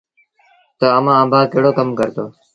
تا امآݩ ابآ ڪهڙو ڪم ڪرتو